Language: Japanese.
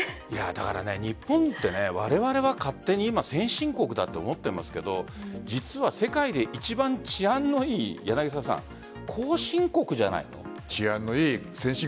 だから、日本ってわれわれは勝手に今、先進国だと思っていますが実は世界で一番治安の良い後進国じゃないの？